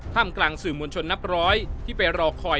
มกลางสื่อมวลชนนับร้อยที่ไปรอคอย